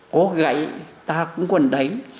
có gãy ta cũng còn đánh